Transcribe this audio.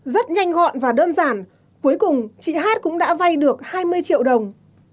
rất nhanh gọn và đơn giản cuối cùng chị hát cũng đã vay được hai mươi triệu đồng